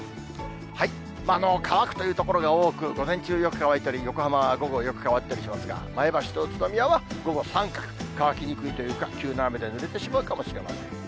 乾くという所が多く、午前中よく乾いたり、横浜は午後、よく乾いたりしますが、前橋と宇都宮は午後三角、乾きにくいというか、急な雨でぬれてしまうかもしれません。